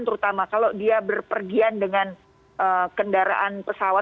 terutama kalau dia berpergian dengan kendaraan pesawat